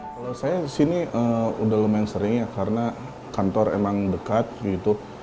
kalau saya di sini udah lumayan sering ya karena kantor emang dekat gitu